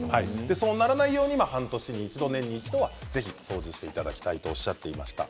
そうならないように半年に一度年に一度、掃除してほしいとおっしゃっていました。